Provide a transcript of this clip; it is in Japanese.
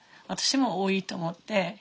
私も多いと思って。